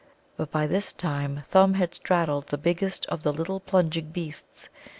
But by this time Thumb had straddled the biggest of the little plunging beasts.